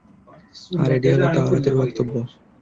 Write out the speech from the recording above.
আর এটি হলো তাওরাতের বক্তব্য।